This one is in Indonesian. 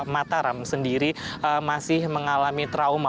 mataram sendiri masih mengalami trauma